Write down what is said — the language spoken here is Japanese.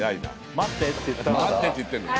待ってって言ってんのに。